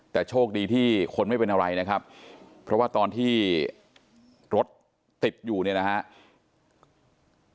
แต่โชคดีที่คนไม่เป็นอะไรนะครับเพราะว่าตอนที่รถติดอยู่เนี่ยนะครับ